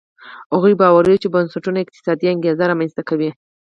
هغوی باوري وو چې بنسټونه اقتصادي انګېزې رامنځته کوي.